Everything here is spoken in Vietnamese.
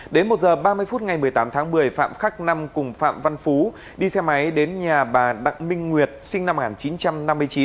đến một h ba mươi phút ngày một mươi tám tháng một mươi phạm khắc năm cùng phạm văn phú đi xe máy đến nhà bà đặng minh nguyệt sinh năm một nghìn chín trăm năm mươi chín